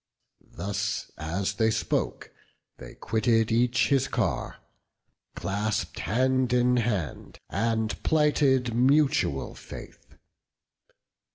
Thus as they spoke, they quitted each his car; Clasp'd hand in hand, and plighted mutual faith.